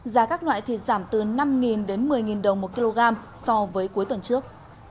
giá các loại thịt giảm từ năm đến một mươi đồng một kg so với cuối tuần trước